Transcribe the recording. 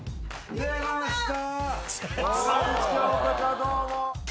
どうも。